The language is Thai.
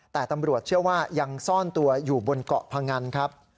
แต่ตำรวจเชื่อว่ายังซ่อนตัวอยู่บนเกาะพงันครับ